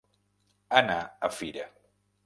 Anar a fira.